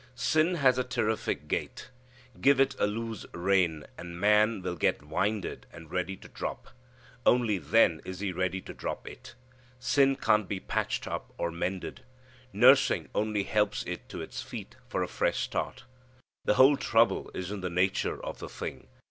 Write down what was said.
Sin has a terrific gait. Give it a loose rein and man will get winded and ready to drop. Only then is he ready to drop it. Sin can't be patched up or mended. Nursing only helps it to its feet for a fresh start. The whole trouble is in the nature of the thing.